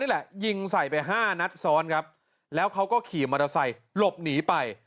แหละยิงใส่ไปห้านัดซ้อนครับแล้วเขาก็ขี่มอเตอร์ไซค์หลบหนีไป